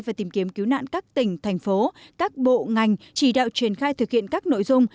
và tìm kiếm cứu nạn các tỉnh thành phố các bộ ngành chỉ đạo triển khai thực hiện các nội dung